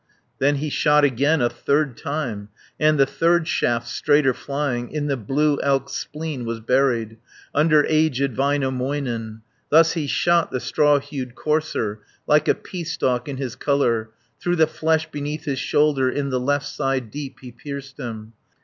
Then he shot again, a third time, And the third shaft, straighter flying, In the blue elk's spleen was buried, Under aged Väinämöinen, Thus he shot the straw hued courser, Like a pea stalk in his colour; 180 Through the flesh beneath his shoulder, In the left side deep he pierced him.